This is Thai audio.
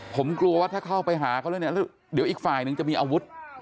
ผมกลัวว่าถ้าเข้าไปหาเขาแล้วเนี่ยเดี๋ยวอีกฝ่ายนึงจะมีอาวุธ